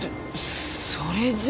それじゃあ。